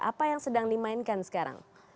apa yang sedang dimainkan sekarang